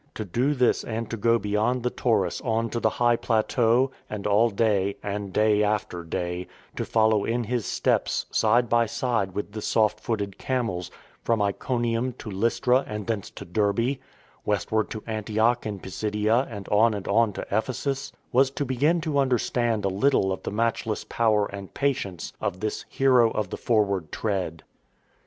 To do this and to go beyond the Taurus on to the high plateau, and all day — and day after day — to fol low in his steps, side by side with the soft footed camels, from Iconium to Lystra and thence to Derbe, westward to Antioch in Pisidia and on and on to Ephesus, was to begin to understand a little of the matchless power and patience of this hero of " the forward tread."